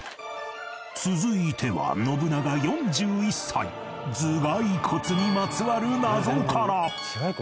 続いては信長４１歳頭蓋骨にまつわる謎から